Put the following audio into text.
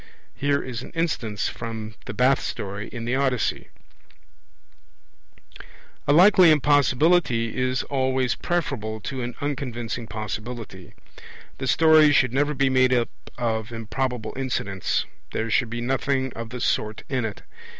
Here is an instance, from the Bath story in the Odyssey. A likely impossibility is always preferable to an unconvincing possibility. The story should never be made up of improbable incidents; there should be nothing of the sort in it.